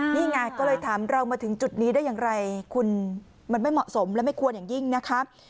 นี่ไงก็เลยถามเรามาถึงจุดนี้ได้อย่างไรคุณมันไม่เหมาะสมและไม่ควรอย่างยิ่งนะครับ